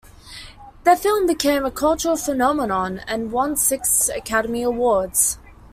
The film became a cultural phenomenon, and won six Academy Awards.